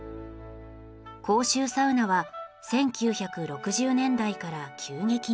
公衆サウナは１９６０年代から急激に減少。